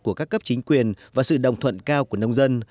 của các cấp chính quyền và sự đồng thuận cao của nông dân